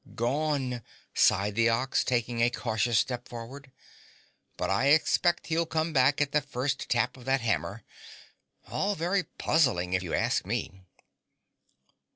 "Gone!" sighed the Ox, taking a cautious step forward. "But I expect he'll come back at the first tap of that hammer. All very puzzling if you ask me."